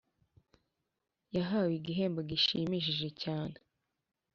yahawe igihembo gishimishije cyane